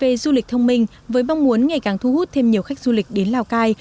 về du lịch thông minh với mong muốn ngày càng thu hút thêm nhiều khách du lịch đến lào cai